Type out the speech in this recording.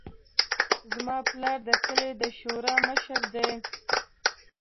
زما پلار د کلي د شورا مشر ده